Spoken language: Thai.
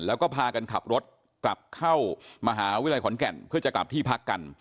แล้วก็พากันขับรถกลับเข้ามหาวิทยาลัยขอนแก่นเพื่อจะกลับที่พักกัน